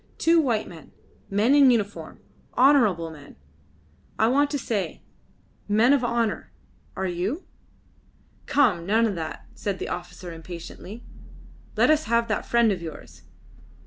"Two white men men in uniform honourable men. I want to say men of honour. Are you?" "Come! None of that," said the officer impatiently. "Let us have that friend of yours."